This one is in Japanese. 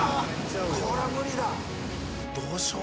これは無理だ。